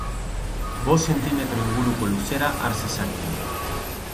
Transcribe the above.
Bost zentimetro inguruko luzera har zezakeen.